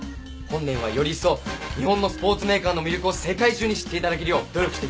本年はよりいっそう日本のスポーツメーカーの魅力を世界中に知っていただけるよう努力していきます。